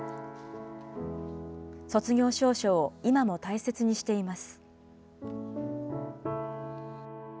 卒業証書を今も大切にしています。